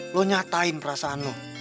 lu nyatain perasaan lu